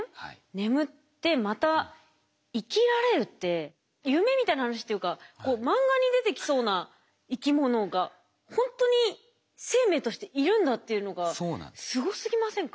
眠ってまた生きられるって夢みたいな話っていうか漫画に出てきそうな生き物がほんとに生命としているんだっていうのがすごすぎませんか。